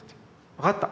「分かった。